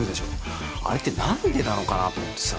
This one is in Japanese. あれって何でなのかなと思ってさ。